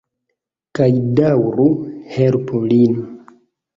Kaj daŭru... helpu lin.